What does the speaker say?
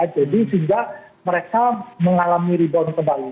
jadi sehingga mereka mengalami rebound kembali